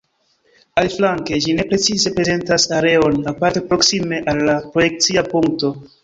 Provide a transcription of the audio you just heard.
Aliflanke, ĝi ne precize prezentas areon, aparte proksime al la projekcia punkto.